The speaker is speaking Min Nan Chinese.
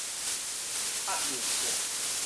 鴨綠色